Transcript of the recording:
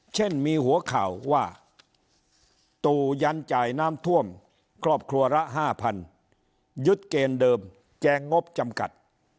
เช่นมีหัวข่าวว่าตู่ยันจ่ายน้ำท่วมครอบครัวละ๕๐๐ยึดเกณฑ์เดิมแจงงบจำกัด